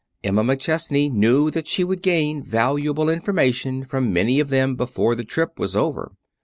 Emma McChesney knew that she would gain valuable information from many of them before the trip was over.